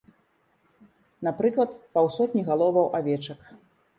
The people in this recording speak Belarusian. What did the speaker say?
Напрыклад, паўсотні галоваў авечак.